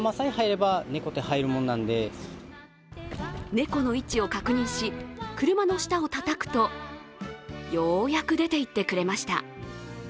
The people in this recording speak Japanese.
猫の位置を確認し車の下をたたくとようやく出ていってくれました。